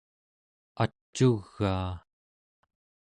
ac'ugaa